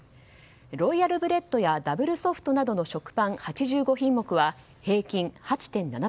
ロイヤルブレッドやダブルソフトなどの食パン８５品目は平均８．７％。